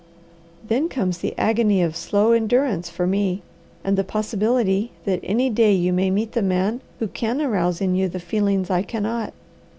Then comes the agony of slow endurance for me, and the possibility that any day you may meet the man who can arouse in you the feelings I cannot.